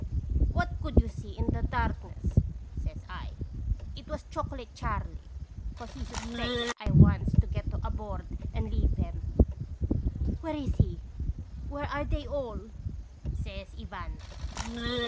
"'What could you see in the darkness?' says I. 'It was Chocolate Charley, 'cause he suspects I wants to get aboard and leave 'em.' " 'Where is he? Where are they all?' says Ivan.